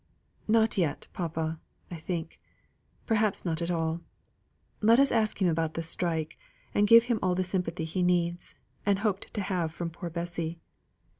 "Not yet, papa, I think. Perhaps not at all. Let us ask him about the strike, and give him all the sympathy he needs, and hoped to have from poor Bessy."